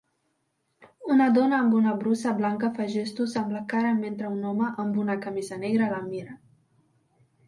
Una dona amb una brusa blanca fa gestos amb la cara mentre un home amb una camisa negra la mira.